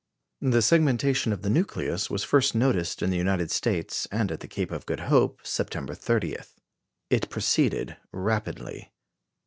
The segmentation of the nucleus was first noticed in the United States and at the Cape of Good Hope, September 30. It proceeded rapidly.